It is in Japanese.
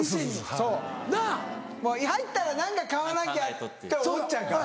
そうもう入ったら何か買わなきゃって思っちゃうから。